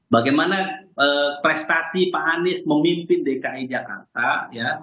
bagaimana prestasi pak anies memimpin dki jakarta ya